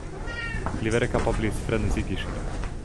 Li vere kapablis frenezigi ŝin.